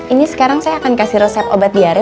ini sekarang saya akan kasih resep obat diare